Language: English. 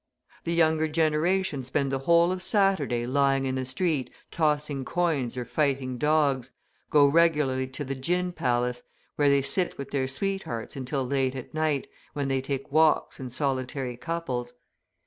The younger generation spend the whole of Sunday lying in the street tossing coins or fighting dogs, go regularly to the gin palace, where they sit with their sweethearts until late at night, when they take walks in solitary couples.